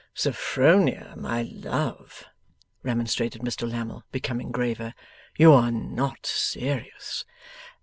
'Sophronia, my love,' remonstrated Mr Lammle, becoming graver, 'you are not serious?